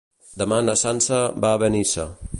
Demà na Sança va a Benissa.